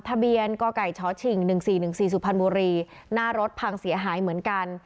ทะเบียนกไก่ชชิง๑๔๑๔สุพรรณบุรีหน้ารถพังเสียหายเหมือนกัน